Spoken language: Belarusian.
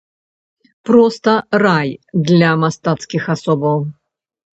Проста рай для мастацкіх асобаў!